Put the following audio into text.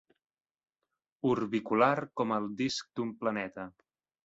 Orbicular com el disc d'un planeta.